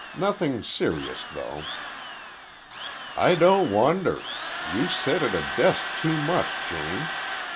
Nothing serious, though." "I don't wonder. You sit at a desk too much, James.